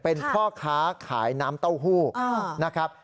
เป็นพ่อค้าขายน้ำเต้าหู้นะครับ